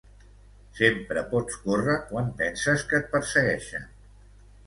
Sempre pots córrer quan penses que et persegueixen